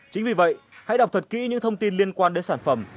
chính vì vậy hãy đọc thật kỹ những thông tin liên quan đến sản phẩm